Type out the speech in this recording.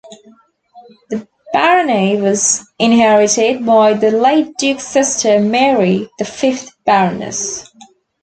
The barony was inherited by the late Duke's sister Mary, the fifth Baroness.